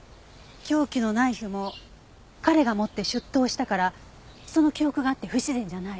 凶器のナイフも彼が持って出頭したからその記憶があって不自然じゃない。